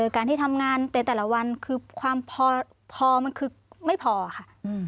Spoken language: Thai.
การที่ทำงานในแต่ละวันคือความพอมันคือไม่พอค่ะ